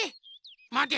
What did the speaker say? まて。